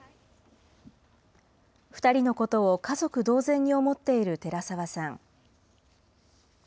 ２人のことを家族同然に思っている寺沢さん。